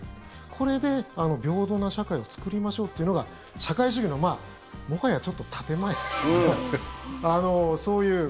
これで平等な社会を作りましょうというのが社会主義の、もはやちょっと建前ですけど、そういう。